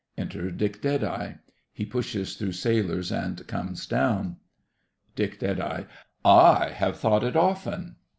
Enter DICK DEADEYE. He pushes through sailors, and comes down DICK. I have thought it often.